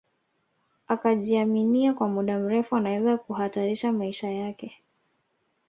Akijamiiana kwa mda mrefu anaweza kuhatarisha maisha yake